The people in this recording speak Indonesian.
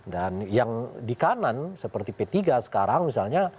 dan yang di kanan seperti p tiga sekarang misalnya